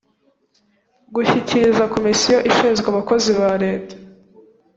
gushyikiriza komisiyo ishinzwe abakozi ba leta